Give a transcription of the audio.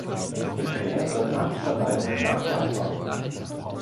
Bisher sind acht Verleihungen nachweisbar.